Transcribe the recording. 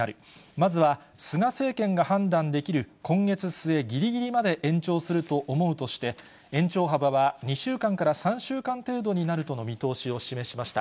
まずは菅政権が判断できる今月末ぎりぎりまで延長すると思うとして、延長幅は２週間から３週間程度になるとの見通しを示しました。